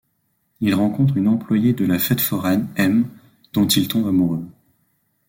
Il rencontre une employée de la fête foraine, Em, dont il tombe amoureux.